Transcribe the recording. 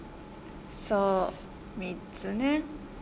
『そう、３つね』